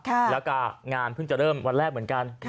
แล้วก็งานเพิ่งจะเริ่มวันแรกเหมือนกัน